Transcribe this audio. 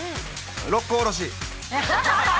六甲おろし。